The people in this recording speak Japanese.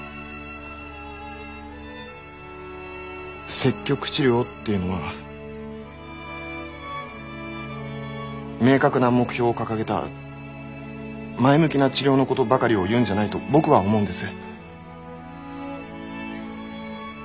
積極治療っていうのは明確な目標を掲げた前向きな治療のことばかりを言うんじゃないと僕は思うんです。